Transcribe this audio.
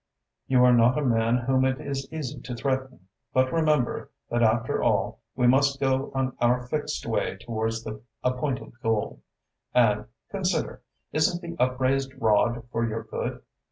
You are not a man whom it is easy to threaten, but remember that after all we must go on our fixed way towards the appointed goal. And consider isn't the upraised rod for your good?